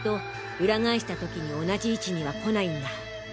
ウラ返した時に同じ位置には来ないんだ。